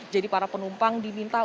jadi para penumpang diminta